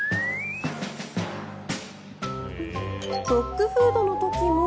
ドッグフードの時も。